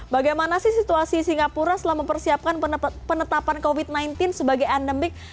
bagaimana sih situasi singapura setelah mempersiapkan penetapan covid sembilan belas sebagai endemik